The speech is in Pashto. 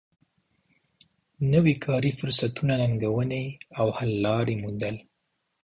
نوی کاري فرصتونه ننګونې او حل لارې موندل